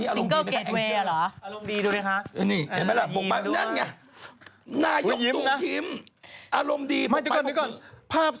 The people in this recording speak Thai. อ๋อฟิวนายยกวันนี้อารมณ์ดีไหมครับ